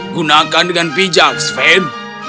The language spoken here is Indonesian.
gunakan dengan bijak sven